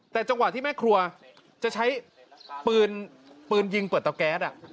แต่จังหวะที่แม่ครัวจะใช้ปืนยิงเปิดเตาแก๊ส